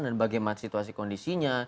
dan bagaimana situasi kondisinya